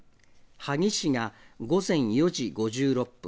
萩市が午前４時５６分。